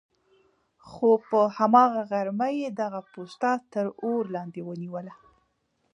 خو په هماغه غرمه یې دغه پوسته تر اور لاندې ونه نیوله.